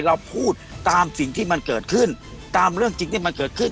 เราพูดตามสิ่งที่มันเกิดขึ้นตามเรื่องจริงที่มันเกิดขึ้น